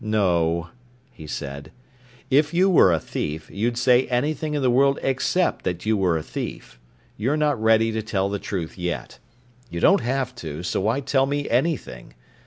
"No," he said. "If you were a thief, you'd say anything in the world except that you were a thief. You're not ready to tell the truth yet. You don't have to, so why tell me anything?